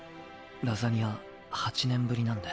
ラザニア８年ぶりなんで。